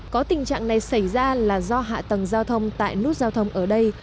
có tình trạng này xảy ra là do hạ tầng giao thông tại nút giao thông ở đây